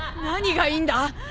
何がいいんだ？